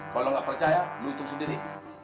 kalau nggak percaya lu hitung sendiri